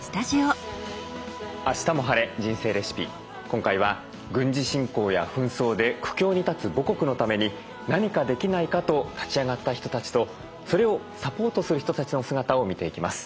今回は軍事侵攻や紛争で苦境に立つ母国のために何かできないかと立ち上がった人たちとそれをサポートする人たちの姿を見ていきます。